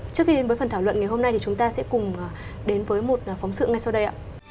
trước khi đến với phần thảo luận ngày hôm nay thì chúng ta sẽ cùng đến với một phóng sự ngay sau đây ạ